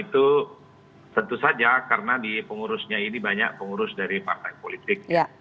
itu tentu saja karena di pengurusnya ini banyak pengurus dari partai politik